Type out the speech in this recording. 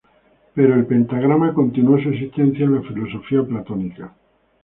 Pero el pentagrama continuó su existencia en la filosofía platónica.